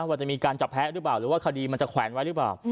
ว่าจะมีการจับแพ้หรือเปล่าหรือว่าคดีมันจะแขวนไว้หรือเปล่า